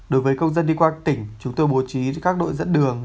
đối với công dân đi qua tỉnh chúng tôi bố trí các đội dẫn đường